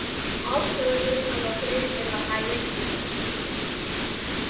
All the villages are located in Mehari Union.